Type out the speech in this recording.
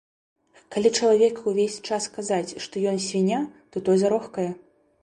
Калі чалавеку ўвесь час казаць, што ён свіння, то той зарохкае.